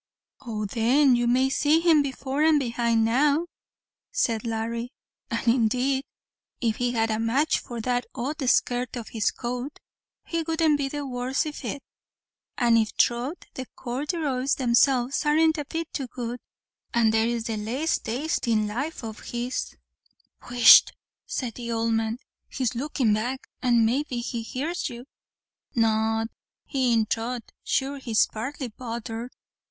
"Oh, then, you may see him before and behind now," said Larry; "and, indeed, if he had a match for that odd skirt of his coat, he wouldn't be the worse iv it; and in throth the cordheroys themselves aren't a bit too good, and there's the laste taste in life of his " "Whisht," said the old man, "he is looking back, and maybe he hears you." "Not he in throth. Sure he's partly bothered."